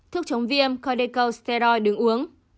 thuốc chống viêm corticosteroid đứng uống